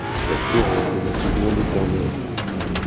La tour s'est progressivement détériorée.